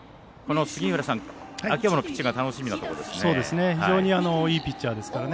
秋山のピッチングが楽しみなところですね。